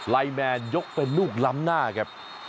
แมนยกเป็นลูกล้ำหน้าครับ